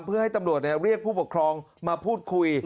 เพื่อให้ตำรวจเรียกผู้ปกครองมาพูดคุย